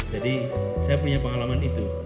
jadi saya punya pengalaman itu